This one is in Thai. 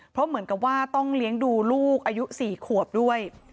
เพราะเหมือนกับว่าต้องเลี้ยงดูลูกอายุ๔ขวบด้วย